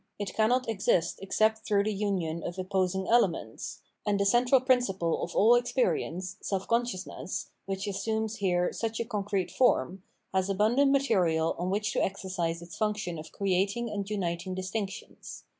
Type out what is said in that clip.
It cannot exist except through the union of opposing elements ; and the central principle of all experience, self consciousness, which assumes here such a concrete form, has abundant material on which to exercise its function of creating and uniting distinctions.